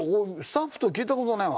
スタッフと聞いた事ない。